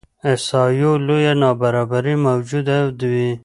احصایو لویه نابرابري موجوده وي.